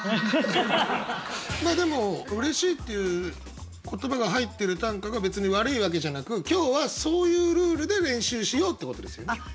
でも「嬉しい」っていう言葉が入ってる短歌が別に悪いわけじゃなく今日はそういうルールで練習しようってことですよね。